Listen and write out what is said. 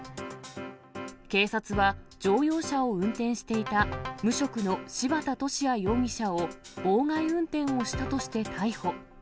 警察は乗用車を運転していた無職の柴田敏也容疑者を、妨害運転をしたとして逮捕。